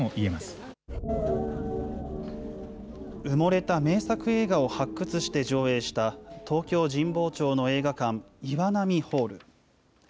埋もれた名作映画を発掘して上映した東京・神保町の映画館、岩波ホール。